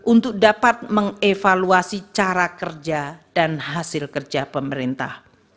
untuk dapat mengevaluasi cara kerja dan hasil kerja pemerintah